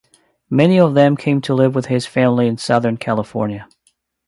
Many of them came to live with his family in Southern California.